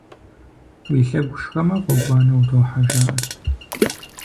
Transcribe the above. Уи лъэгу шхэмэ, гъуэгуанэ утохьэ жаӀэрт.